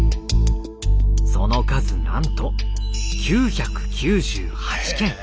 その数なんと９９８件。